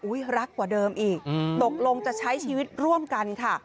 รักกว่าเดิมอีกตกลงจะใช้ชีวิตร่วมกันค่ะ